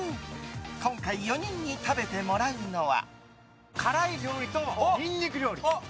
今回４人に食べてもらうのは。